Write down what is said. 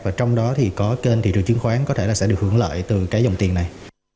và trong đó thì có kênh thị trường chứng khoán có thể là sẽ được hưởng lợi từ cái dòng tiền này